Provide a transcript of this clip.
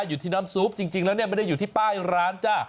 อยู่ที่น้ำซุปจริงแล้วเนี่ยไม่ได้อยู่ที่ป้ายร้านจ้ะ